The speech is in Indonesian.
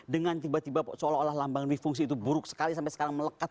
dengan tiba tiba seolah olah lambang mifungsi itu buruk sekali sampai sekarang melekat